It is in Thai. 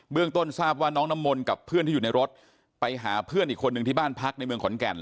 ต้นทราบว่าน้องน้ำมนต์กับเพื่อนที่อยู่ในรถไปหาเพื่อนอีกคนนึงที่บ้านพักในเมืองขอนแก่น